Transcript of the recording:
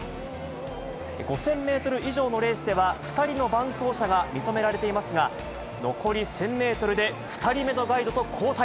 ５０００メートル以上のレースでは、２人の伴走者が認められていますが、残り１０００メートルで、２人目のガイドと交代。